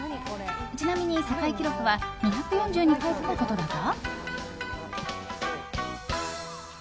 ちなみに世界記録は２４２回とのことだが。